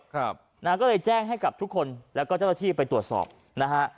ครับนะฮะก็เลยแจ้งให้กับทุกคนแล้วก็เจ้าหน้าที่ไปตรวจสอบนะฮะ